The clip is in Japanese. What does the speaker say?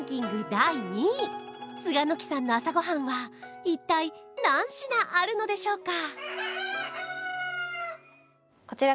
第２位栂の季さんの朝ごはんは一体何品あるのでしょうか？